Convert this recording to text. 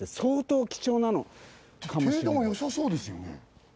程度も良さそうですよね。